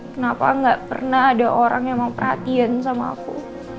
kenapa gak pernah ada orang yang memperhatiin sama aku